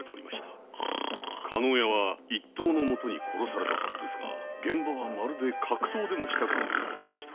加納屋は一刀のもとに殺されたはずですが現場は格闘でもしたかのようでした。